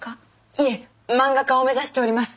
いえ漫画家を目指しております。